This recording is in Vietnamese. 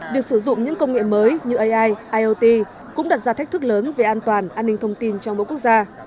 việc sử dụng những công nghệ mới như ai iot cũng đặt ra thách thức lớn về an toàn an ninh thông tin trong mỗi quốc gia